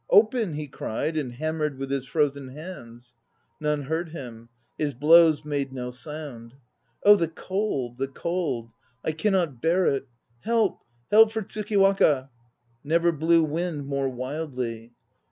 "Open !" he cried, and hammered with his frozen hands. None heard him ; his blows made no sound. "Oh the cold, the cold ! I cannot bear it. Help, help for Tsukiwaka!" Never blew wind more wildly